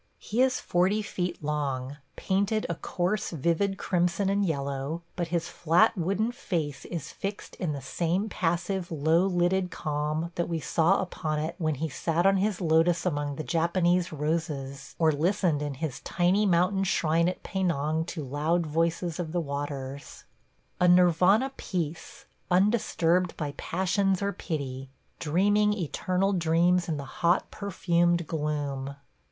He is forty feet long, painted a coarse vivid crimson and yellow, but his flat wooden face is fixed in the same passive, low lidded calm that we saw upon it when he sat on his lotus among the Japanese roses, or listened in his tiny mountain shrine at Penang to loud voices of the waters. A Nirvana peace, undisturbed by passions or pity ... dreaming eternal dreams in the hot, perfumed gloom.